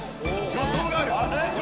助走ある。